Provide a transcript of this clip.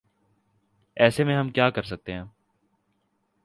ایسے میں ہم کیا کر سکتے ہیں ۔